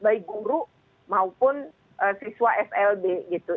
baik guru maupun siswa slb gitu